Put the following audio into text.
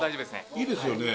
いいですよね